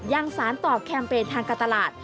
ยังสารต่อแคมเปญทางการตลาด